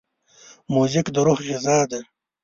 موزیک د روح غذا ده.